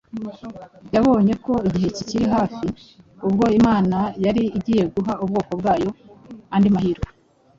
Yabonye ko igihe kiri hafi ubwo Imana yari igiye guha ubwoko bwayo andi mahirwe;